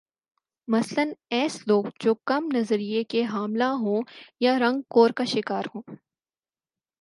مثلا ایس لوگ جو کم نظریہ کے حاملہ ہوں یا رنگ کور کا شکار ہوں